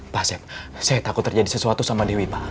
pak asep saya takut terjadi sesuatu sama dewi pak